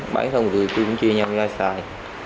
bán xong rồi tụi tôi cũng chia nhau ra xài